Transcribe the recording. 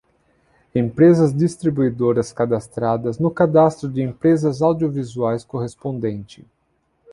Empresas distribuidoras cadastradas no cadastro de empresas audiovisuais correspondente.